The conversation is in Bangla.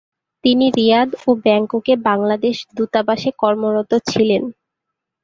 তিনি রিয়াদ ও ব্যাংককে বাংলাদেশ দূতাবাসে কর্মরত ছিলেন।